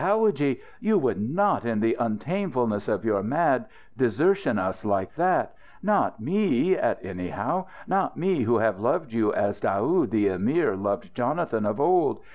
"Howadji! You would not, in the untamefulness of your mad, desertion us like that? Not me, at anyhow? Not me, who have loved you as Daoud the Emir loved Jonathan of old!